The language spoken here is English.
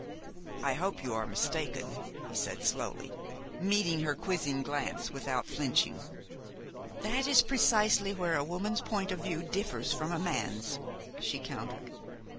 "I hope you are mistaken," he said slowly, meeting her quizzing glance without flinching. "That is precisely where a woman's point of view differs from a man's," she countered.